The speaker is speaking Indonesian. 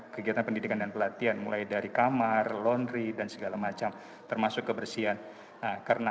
kegiatan pendidikan dan pelatihan mulai dari kamar laundry dan segala macam termasuk kebersihan karena